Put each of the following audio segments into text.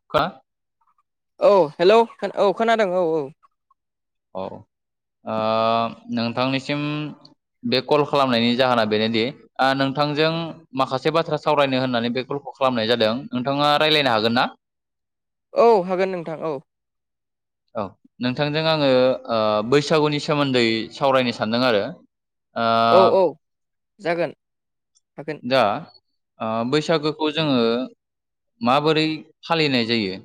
[unintelligible] औ हेल' औ खोनादों औ औ। औ ओ नोंथांनिसिम बे कल खालामनायनि जाहोना बेनोदि ओ नोंथांजों माखासे बाथ्रा सावरायनो होननानै बे कलखौ खालामनाय जादों नोंथाङा रायज्लायनो हागोन ना? औ हागोन नोंथां औ। औ नोंथांजों आंङो ओ बैसागुनि सोमोन्दै सावरायनो सानदों आरो। ओ औ औ जागोन हागोन दा ओ बैसागोखौ जोङो माबोरै फालिनाय जायो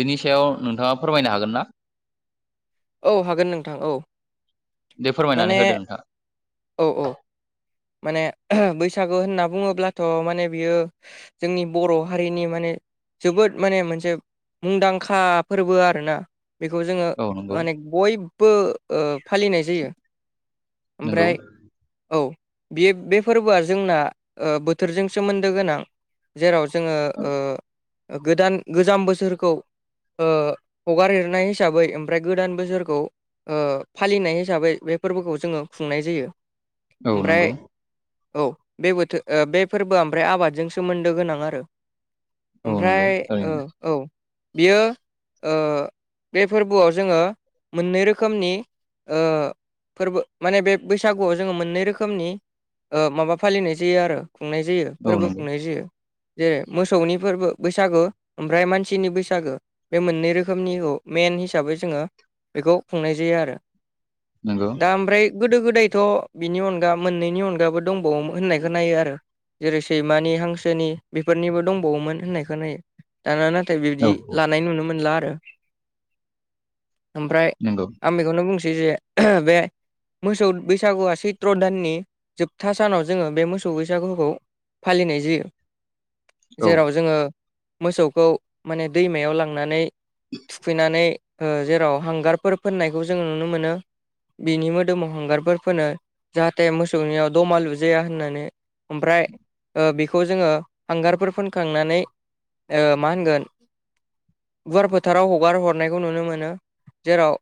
बेनि सायाव नोंथाङा फोरमायनो हागोन ना? औ हागोन नोंथां औ। दे माने फोरमायनानै होदो नोंथां। औ औ। माने बैसागो होनना बुङोब्लाथ' माने बियो जोंनि बर' हारिनि माने जोबोद माने मोनसे मुंदांखा फोरबो आरोना। बेखौ जोङो औ नंगौ माने बयबो ओ फालिनाय जायो। नंगौ ओमफ्राय औ। बेयो बे फोरबोआ जोंना ओ बोथोरजों सोमोन्दो गोनां। जेराव जोङो गोदान गोजाम बोसोरखौ ओ हगार हेरनाय हिसाबै ओमफ्राय गोदान बोसोरखौ ओ फालिनाय हिसाबै बे फोरबोखौ जोङो खुंनाय जायो। औ ओमफ्राय नंगौ औ बे बोथो बे फोरबोआ ओमफ्राय आबादजों सोमोन्दो गोनां आरो। औ ओमफ्राय नंगौ थारैनो औ बियो ओ बे फोरबोआव जोङो मोननै रोखोमनि ओ फोरबो माने बे बैसागुआव जोङो मोननै रोख रोखोमनि ओ माबा फालिनाय जायो आरो खुंनाय जायो औ फोरबो नंगौ खुंनाय जायो। जेरै मोसौनि फोरबो बैसागु ओमफ्राय मानसिनि बैसागो। बे मोननै रोखोमनिखौ मेन हिसाबै जोङो बेखौ खुंनाय जायो आरो। नंगौ दा ओमफ्राय गोदो गोदायथ' बिनि अन [unintelligible] मोननैनि अनगाबो दंबावोमोन होननायखौ नायो आरो। जेरै सैमानि हांसोनि बेफोरनिबो दंबावोमोन होननाय खोननायो। दाना नाथाय औ बिबदि औ लानाय नुनो मोनला आरो ओमफ्राय नंगौ आं बेखौनो बुंसै जे बे मोसौ बैसागुआ सै त्र दाननि जोबथा सानाव जोङो बे मोसौ बैसागुखौ फालिनाय जायो। औ जेराव जोङो मोसौखौ माने दैमायाव लांनानै थुखैनानै ओ जेराव हांगारफोर फोननायखौ जोङो नुनो मोनो। बिनि मोदोमाव हांगारफोर फोनो जाहाथे मोसौनियाव दमालुजाया होननानै ओमफ्राय ओ बेखौ जोङो हांगारफोर फोनखांनानै ओ मा होनगोन गुवार फोथाराव हगार हरनायखौ नुनो मोनो जेराव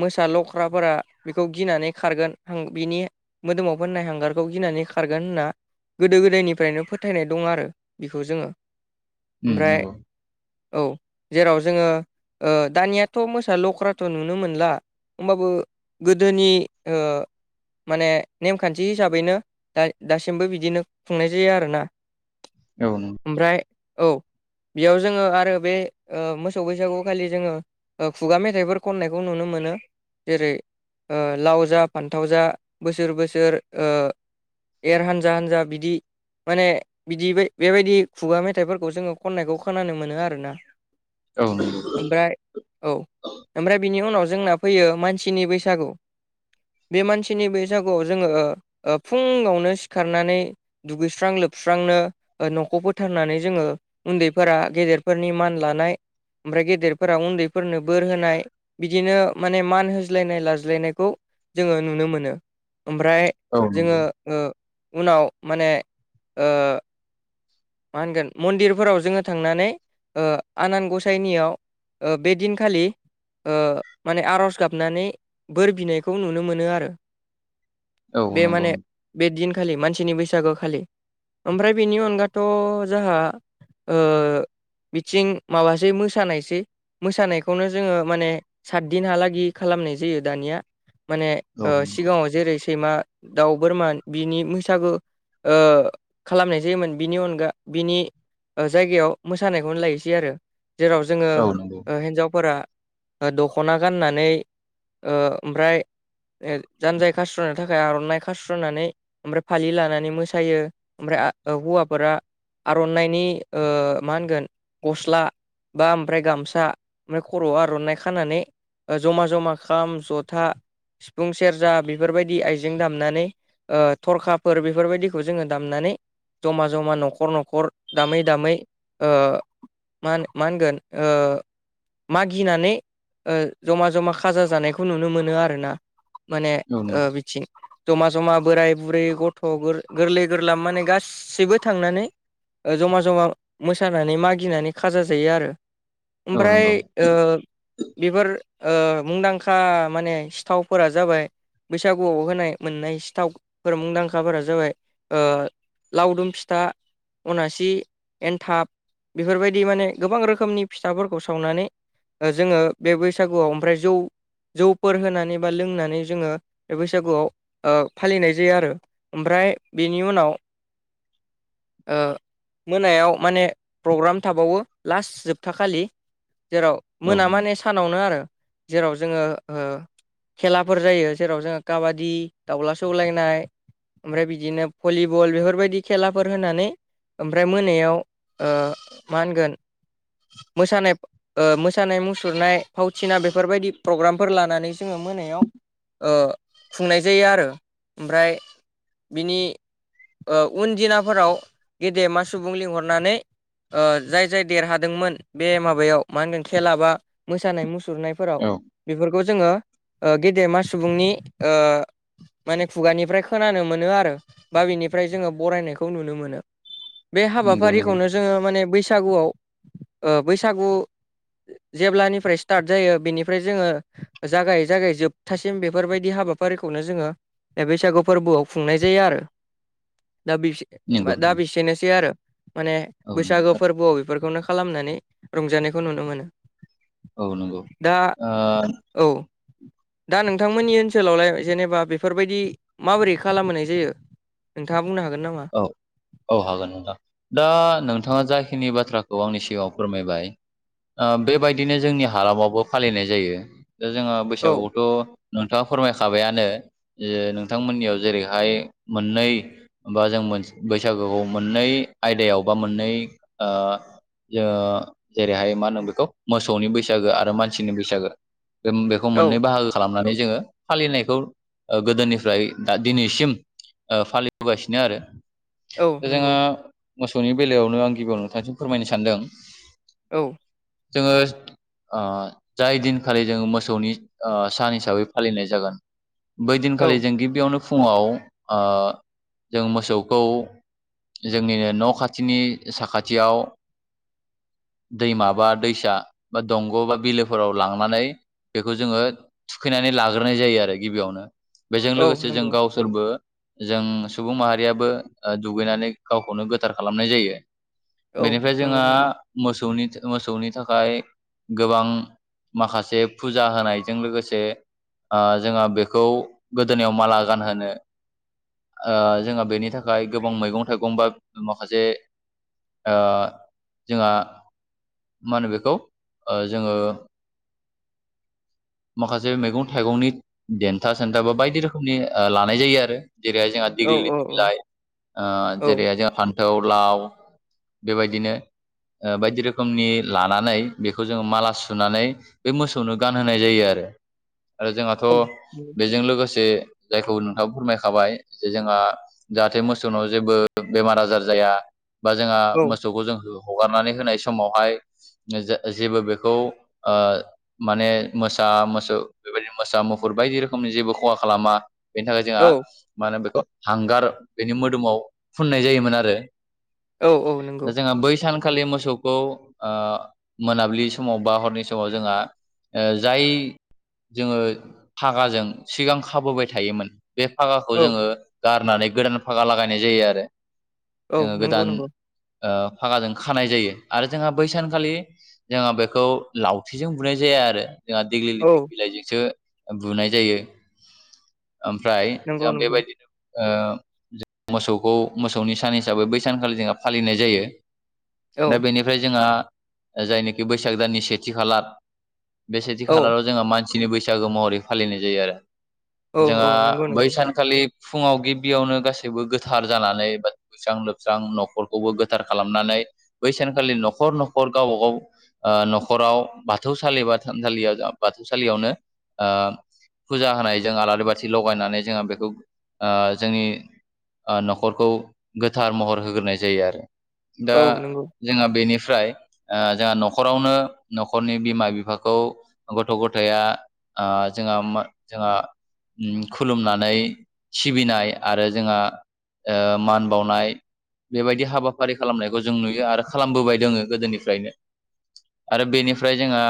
मोसा लख्राफोरा बेखौ गिनानै खारगोन आं बिनि मोदोमाव फोननाय हांगारखौ गिनानै खारगोन होनना गोदो-गोदायनिफ्रायनो फोथायनाय दं आरो बिखौ जोङो उम ओमफ्राय नंगौ औ जेराव जोङो ओ दानियाथ' मोसा ल'ख्राथ' नुनो मोनला होमबाबो गोदोनि ओ माने नेमखान्थि हिसाबैनो दा दासिमबो बिदिनो खुंनाय जायो आरोना औ नों ओमफ्राय औ बेयाव जोङो आरो बे ओ मोसौ बैसागु खालि जोङो ओ खुगा मेथाइफोर खननायखौ नुनो मोनो जेरै ओ लाव जा फान्थाव जा बोसोर-बोसोर ओ एर हान्जा-हान्जा बिदि माने बिदि बेबायदि खुगा मेथाइफोरखौ जोङो खननायखौ खोनानो मोनो आरोना। औ नंगौ ओमफ्राय औ ओमफ्राय बिनि उनाव जोंना फैयो मानसिनि बैसागु बे मानसिनि बै सागुआव जोङो ओ फुङावनो सिखारनानै दुगैस्रां-लोबस्रांनो ओ न'खौ फोथारनानै जोङो उन्दैफोरा गेदेरफोरनि मान लानाय ओमफ्राय गेदेरफोराव उन्दैफोरनो बोर होनाय बिदिनो माने मान होज्लायनाय लाज्लायनायखौ जोङो नुनो मोनो। ओमफ्राय औ जोङो नंगौ ओ उनाव माने ओ मा होनगोन मन्दिरफोराव जोङो थांनानै ओ आनान ग'साइनियाव ओ बे दिनखालि ओ माने आर'ज गाबनानै बोर बिनायखौ नुनो मोनो आरो। औ बे नंगौ माने बे दिनखालि मानसिनि बैसागो खालि ओमफ्राय बेनि अनगाथ' जाहा ओ बिथिं माबासै मोसानायसै मोसानायखौनो जोङो माने सातदिनहालागि खालामनाय जायो दानिया माने औ ओ सिगाङाव जेरै सैमा, दाउ, बोरमा बिनि मैसागो ओ खालामनाय जायोमोन बिनि अनगा बिनि ओ जायगायाव मोसानायखौनो लायसै आरो जेराव जोङो औ नंगौ ओ हिन्जावफोरा दख'ना गाननानै ओ ओमफ्राय जानजाय खास्र'नो थाखाय आर'नाइ खास्र'नानै ओमफ्राय फालि लानानै मोसायो ओमफ्राय हौवा फोरा आर'नाइनि ओ मा होनगोन ग'स्ला बा ओमफ्राय गामसा ओमफ्राय खर'वाव आर'नाइ खानानै ओ ज'मा ज'मा खाम, जथा, सिफुं, सेर्जा बेफोरबायदि आइजें दामनानै ओ थरखाफोर बेफोरबायदिखौ जोङो दामनानै ज'मा ज'मा न'खर-न'खर दामै-दामै ओ मा मा होनगोन ओ मागिनानै ओ ज'मा-ज'मा खाजा जानायखौ नुनो मोनो आरोना माने औ नंगौ ओ बिथिं ज'मा-ज'मा बोराइ-बुरै गथ' गोरलै गोरला माने गासैबो थांनानै ओ ज'मा-ज'मा मोसानानै मागिनानै खाजा जायो आरो औ ओमफ्राय नंगौ ओ बेफोर ओ मुंदांखा माने सिथावफोरा जाबाय बैसागुआव होनाय मोननाय सिथावफोर मुंदांखाफोरा जाबाय ओ लावदुम फिथ दा अनासि एन्थाब बेफोरबायदि माने गोबां रोखोमनि फिथाफोरखौ सावनानै जोङो बे बैसागुआव ओमफ्राय जौ जौफोर होनानै बा लोंनानै जोङो बे बैसागुआव ओ फालिनाय जायो आरो। ओमफ्राय बेनि उनाव ओ मोनायाव माने प्रग्राम थाबावो लास्ट जोबथाखालि। जेराव औ मोना मानि सानावनो आरो जेराव जोङो ओ खेलाफोर जायो जेराव जोङो काबादि दाउला सौलायनाय ओमफ्राय बिदिनो भलिबल बेफोरबायदि खेला फोर होनानै ओमफ्राय मोनायाव ओ मा होनगोन मोसानाय ओ मोसानाय मुसुरनाय फावथिना बेफोरबायदि प्रग्रामफोर लानानै जोङो मोनायाव ओ खुंनाय जायो आरो ओमफ्राय बिनि ओ उन दिनाफोराव गेदेमा सुबुं लिंहरनानै ओ जाय-जाय देरहादोंमोन बे माबायाव मा होनदों खेला बा मोसानाय मुसुरनाय फोराव औ बेफोरखौ जोङो गेदेमा सुबुंनि ओ माने खुगानिफ्राय खोनानो मोनो आरो बा बेनिफ्राय जोङो बरायनायखौ खौ नुनो मोनो बे नंगौ नंगौ हाबाफारिखौनो जोङो माने बैसागुआव ओ बैसागु जेब्लानिफ्राय स्टार्ट जायो बेनिफ्राय जोङो जागायै-जागायै जोबथासिम बेफोरबायदि हाबा फारिखौनो जोङो बे बैसागु फोरबोआव खुंनाय जायो आरो। दा बि नंगौ दा बेसेनोसै आरो माने औ नंगौ बैसागो फोरबोआव बेफोरखौनो खालामनानै रंजानायखौ नुनो मोनो। औ नंगौ। दा आ औ। दा नोंथांमोननि ओनसोलावलाय जेनेबा बेफोरबायदि माबोरै खालामहोनाय जायो। नोंथाङा बुंनो हागोन नामा। औ-औ हागोन नोंथां दा नोंथाङा जाखिनि बाथ्राखौ आंनि सिगाङाव फोरमायबाय ओ बेबायदिनो जोंनि हालामावबो फालिनाय जायो दा जोङा औ बैसागुआवथ' नोंथाङा फोरमायखाबायानो जे नोंथांमोननियाव जेरैहाय मोननै होनबा जों मोन बैसागुखौ मोननै आयदायाव बा मोननै ओ जो जेरैहाय मा होनो बेखौ मोसौनि बैसागो आरो मानसिनि बैसागो जों बेखौ औ मोननै बाहागो खालामनानै जोङो फालिनायखौ ओ गोदोनिफ्राय दा दिनैसिम ओ फालि बोगासिनो आरो औ जोङो नंगौ मोसौनि बेलायावनो आं गिबियाव नोंथांसिम फोरमायनो सानदों। औ। जोङो ओ जाय दिनखालि जोङो मोसौनि ओ सान हिसाबै फालिनाय जागोन बै औ दिनखालि जों गिबियावनो फुङाव ओ जों मोसौखौ जोंनिनो न' खाथिनि साखाथियाव दैमाबा दैसा बा दंग' बा बिलोफोराव लांनानै बेखौ जोङो थुखैनानै लाग्रोनाय जायो आरो गिबियावनो। बेजों औ लोगोसे जों नंगौ गावसोरबो जों सुबुं माहारियाबो ओ दुगैनानै गावखौनो गोथार खालामनाय जायो। औ बेनिफ्राय नंगौ जोंहा नंगौ मोसौनि मोसौनि थाखाय गोबां माखासे फुजा होनायजों लोगोसे ओ जोङो बेखौ गोदोनायाव माला गानहोनो ओ जोंहा बेनि थाखाय गोबां मैगं थाइगं बा माखासे ओ जोंहा मा होनो बेखौ ओ जोङो माखासे मैगं थाइगंनि देन्था सेन्था बा बायदि रोखोमनि लानाय जायो आरो जेरैहाय जोंहा औ दिगिलि औ बिलाइ ओ औ जेरैहाय जों फान्थाव लाव बेबायदिनो ओ बायदि रोखोमनि लानानै बेखौ जोङो माला सुनानै बे मोसौनो गानहोनाय जायो आरो। आरो जोंहाथ' बेजों लोगोसे जायखौ नोंथाङा फोरमायखाबाय जोंहा जाहाथे मोसौनाव जेबो बेमार आजार जाया बा जोंहा मोसौखौ जों हगारनानै होनाय समावहाय जे-जेबो बेखौ ओ माने मोसा मोसौ बेबायदिनो मोसा मुफुर बायदि रोखोमनि जेबो खहा खालामा बेनि थाखाय जोंहा औ मा होनो बेखौ हांगार बेनि मोदोमाव फुननाय जायोमोन आरो। औ औ नंगौ दा जोंहा बै सान खालि मोसौखौ ओ मोनाबिलि समाव बा हरनि समाव जोंहा ओ जाय जोङो फागाजों सिगां खाबोबाय थायोमोन बे फागा खौ औ जोङो गारनानै गोदान फागा लागायनाय जायो आरो औ जोङो नंगौ गोदान नंगौ ओ फागाजों खानाय जायो आरो जोंहा बैसानखालि जोंहा बेखौ लावथिजों बुनाय जाया आरो जोंहा देग्लिलिथि औ बिलाइजोंसो बुनाय जायो ओमफ्राय नंगौ जोंहा नंगौ बेबायदि ओ मोसौखौ मोसौनि सान हिसाबै बै सानखालि जोंहा फालिनाय जायो। औ दा बेनिफ्राय जोंहा जायनोखि बैसाग दाननि सेथि खालार बे सेथि औ खालाराव जोंहा मानसिनि बैसागो महरै फालिनाय जायो आरो। औ औ जोंहा नंगौ बै नंगौ सानखालि फुङाव गिबियावनो गासैबो गोथार जानानै दुगैस्रां लोबस्रां न'खरखौबो गोथार खालामनानै बै सानखालि न'खर न'खर गावबा गाव ओ न'खराव बाथौसालि बा थानसालियाव बाथौसालियावनो ओ फुजा होनाय जों आलारि बाथि लगायनानै जोङो बेखौ ओ जोंनि ओ न'खरखौ गोथार महर होग्रोनाय जायो आरो दा औ नंगौ जोंहा बेनिफ्राय ओ जोंहा न'खरावनो न'खरनि बिमा बिफाखौ गथ' गथाया ओ जोंहा मा जोंहा उम खुलुमनानै सिबिनाय आरो जोंहा ओ मान बाउनाय बेबायदि हाबाफारि खालामनायखौ जों नुयो आरो खालामबोबाय दोङो गोदोनिफ्रायनो आरो बेनिफ्राय जोंहा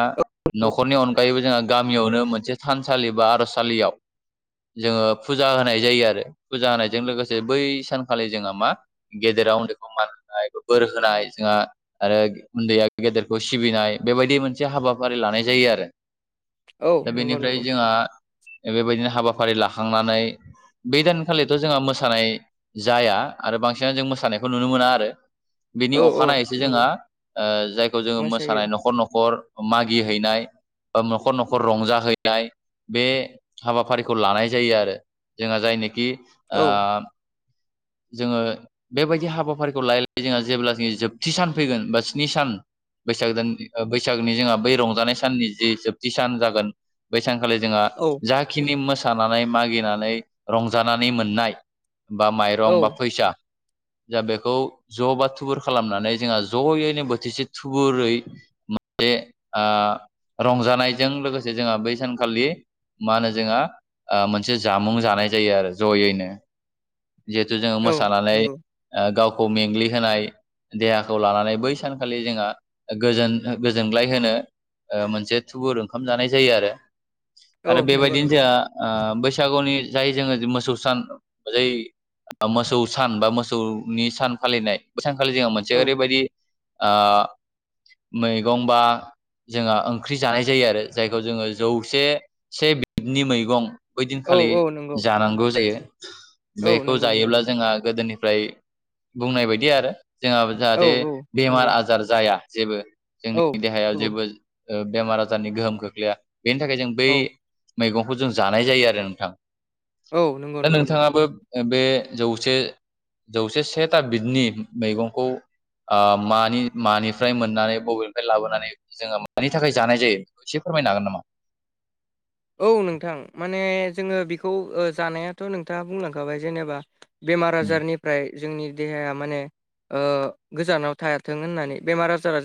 न'खरनि अनगायैबो जोंहा गामियावनो मोनसे थानसालि बा आर'जसालियाव जोङो फुजा होनाय जायो आरो फुजा होनायजों लोगोसे बै सानखालि जोंहा मा गेदेराव उन्दैखौ मान होनाय बोर होनाय जोंहा आरो उन्दैया गेदेरखौ सिबिनाय बेबायदि मोनसे हाबाफारि लानाय जायो आरो। औ दा नंगौ बेनिफ्राय नंगौ जोंहा बेबायदिनो हाबाफारि लाखांनानै बे दानखालिथ' जोंहा मोसानाय जाया आरो बांसिनानो जों मोसानायखौ नुनो मोना आरो। बिनि औ औ अखानायैसो नंगौ जोंहा ओ जायखौ जोङो मोसायो मोसानाय न'खर न'खर मागि हैैनाय ओ न'खर न'खर रंजाहैनाय बे हाबाफारि खौ लानाय जायो आरो जोंहा जायनोखि औ ओ जोङो बेबायदि हाबाफारिखौ लाय लायै जोंहा जेब्ला जोङि जोबथि सान फैगोन बा स्नि सान बैसाग दान ओ बैसागनि जोंहा बै रंजानाय साननि जि जोबथि सान जागोन बैसानखालि जोंहा औ जा खिनि मोसानानै मागिनानै रंजानानै मोननाय बा मा औ यरं बा फैसा जा बेखौ ज' बा थुबुर खालामनानै जोंहा जयैनो बोथिसे थुबुरै बे आ रंजानायजों लोगोसे जोंहा बै सानखालि मा होनो जोंहा ओ मोनसे जामुं जानाय जायो आरो जयैनो। जिहेथु जोङो औ मोसानानै नंगौ ओ गावखौ मेंग्लिहोनाय देहाखौ लानानै बै सानखालि जोंहा गोजोन गोजोनग्लाय होनो ओ मोनसे थुबुर ओंखाम जानाय जायो आरो। औ आरो नंगौ बेबायदिनो नंगौ जोंहा ओ बैसागुनि जाय जोङो मोसौ सान जै मोसौ सान बा मोसौनि सान फालिनाय बे सानखालि जोंहा औ मोनसे ओरैबायदि ओ मैगंबा जोंहा ओंख्रि जानाय जायो आरो जायखौ जोङो जौसे से बिबनि मैगं औ बैदिनखालि औ नंगौ जानांगौ जायो औ नंगौ नंगौ नंगौ ओ गोदोनिफ्राय बुंनाय बायदि आरो जोंहा औ जाहाथे औ बेमार नंगौ आजार जाया जेबो औ जोंनि देहायाव औ जेबो बेमार आजारनि गोहोम खोख्लैया बेनि थाखाय जों बै मैगंखौ जों जानाय जायो आरो नोंथां औ नंगौ दा नंगौ नंगौ नोंथाङाबो बे जौसे जौसे सेथा बिदनि मैगंखौ ओ मानि मानिफ्राय मोननानै बबेनिफ्राय लाबोनानै जोङो मानि थाखाय जानाय जायो एसे फोरमायनो हागोन नामा औ नोंथां माने जोङो बेखौ ओ जानायाथ' नोंथाङा बुंलांखाबाय जेनेबा बेमार नामा? आजारनि फ्राय जोंनि देहाया माने ओ गोजानाव थायाथों होननानै बेमार आजारा जों